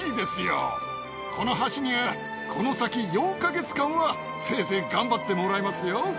この橋にはこの先４か月間はせいぜい頑張ってもらいますよ。